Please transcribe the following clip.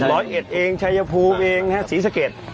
หลอยเอ็ดเองชายภูครับศรีเสก็จ